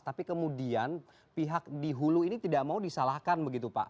tapi kemudian pihak di hulu ini tidak mau disalahkan begitu pak